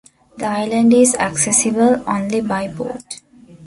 The island is accessible only by boat.